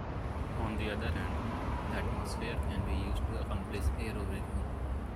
On the other hand, the atmosphere can be used to accomplish aerobraking.